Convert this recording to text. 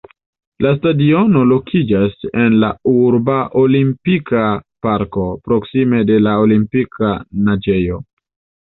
La stadiono lokiĝas en la urba Olimpika Parko, proksime de la Olimpika Naĝejo.